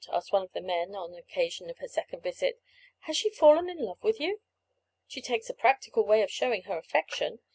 one of the men asked on the occasion of her second visit. "Has she fallen in love with you? She takes a practical way of showing her affection.